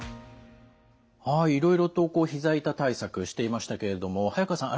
はいいろいろとこうひざ痛対策していましたけれども早川さん